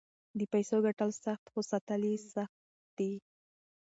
د پیسو ګټل سخت خو ساتل یې سخت دي.